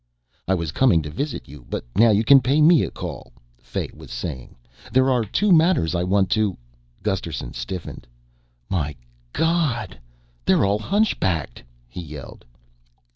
"I was coming to visit you, but now you can pay me a call," Fay was saying. "There are two matters I want to " Gusterson stiffened. "My God, they're all hunchbacked!" he yelled.